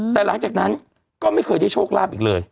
แต่หลังจากนั้นก็ไม่เคยได้โชคลาภอีกเลย